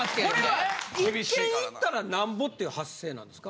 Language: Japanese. これは１件行ったらなんぼっていう発生なんですか？